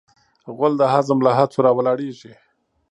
غول د هضم له هڅو راولاړیږي.